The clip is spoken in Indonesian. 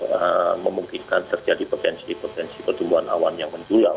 ini memungkinkan terjadi potensi potensi pertumbuhan awan yang menjulang